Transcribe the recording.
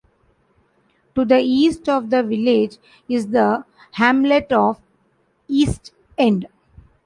To the east of the village is the hamlet of East End.